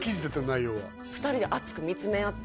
内容は「２人で熱く見つめ合って」